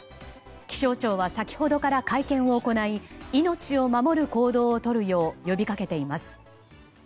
気象庁は先ほどから会見を行い命を守る行動を取るよう呼びかけています。